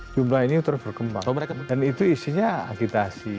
jumlah ini terus berkembang dan itu isinya agitasi